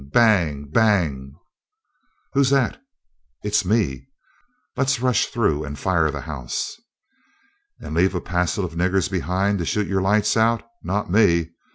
bang! bang!_ "Who's that?" "It's me." "Let's rush through and fire the house." "And leave a pa'cel of niggers behind to shoot your lights out? Not me."